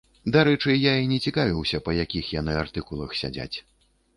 Дарэчы, я і не цікавіўся, па якіх яны артыкулах сядзяць.